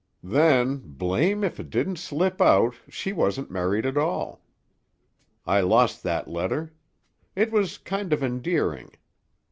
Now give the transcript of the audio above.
"Then, blame if it didn't slip out she wasn't married at all! I lost that letter. It was kind of endearing.